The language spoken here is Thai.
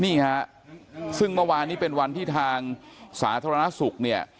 นี่ฮะซึ่งเมื่อวานนี้เป็นวันที่ทางสาธารณสุขเนี่ย